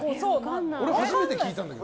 俺、初めて聞いたんだけど。